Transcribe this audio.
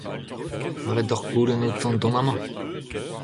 Mat eo deoc'h goulenn outañ dont amañ ?